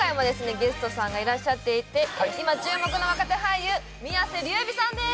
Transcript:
ゲストさんがいらっしゃっていて今注目の若手俳優宮世琉弥さんです